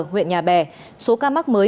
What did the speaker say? huyện nhà bè số ca mắc mới